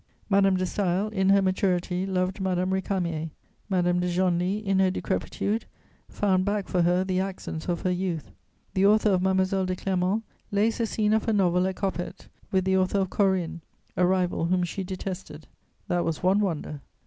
'" Madame de Staël, in her maturity, loved Madame Récamier: Madame de Genlis, in her decrepitude, found back for her the accents of her youth; the author of Mademoiselle de Clermont lays the scene of her novel at Coppet, with the author of Corinne, a rival whom she detested: that was one wonder.